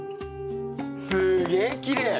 すげえきれい。